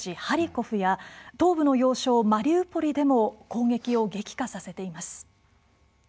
ハリコフや東部の要衝マリウポリでも攻撃を激化させています。